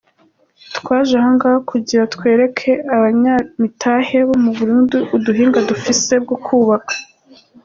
Twaje aha ngaha kugira twereke abanyamitahe bo mu Burundi ubuhinga dufise bwo kwubaka.